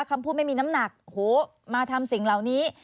คำพูดไม่มีน้ำหนักโหมาทำสิ่งเหล่านี้